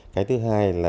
cái thứ hai là